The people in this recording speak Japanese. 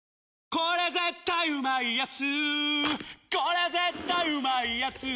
これ絶対うまいやつ」